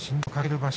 場所